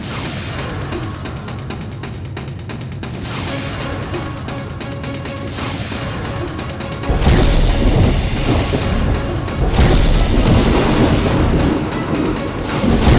jurus perekat sukma